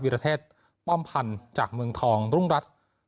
รเทศป้อมพันธ์จากเมืองทองรุ่งรัฐ